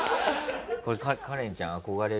これカレンちゃん憧れる？